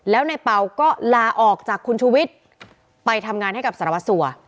แล้วในเป่าก็ลาออกจากคุณชูวิทย์ไปทำงานให้กับสารวัสสัว